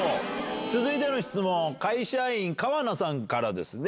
続いての質問、会社員、川名さんからですね。